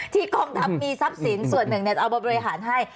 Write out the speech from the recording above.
กองทัพมีทรัพย์สินส่วนหนึ่งจะเอามาบริหารให้